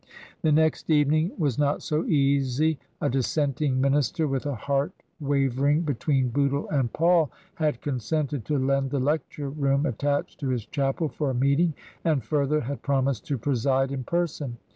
The next evening was not so easy. A dissenting min ister, with a heart wavering between Bootle and Paul, had consented to lend the lecture room attached to his chapel for a meeting, and further had promised to preside in person.